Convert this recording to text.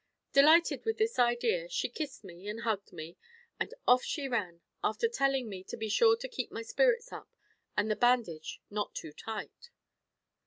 Delighted with this idea, she kissed me, and hugged me, and off she ran, after telling me to be sure to keep my spirits up, and the bandage not too tight.